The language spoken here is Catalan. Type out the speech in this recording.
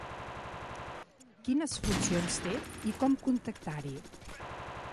Quines funcions té i com contactar-hi?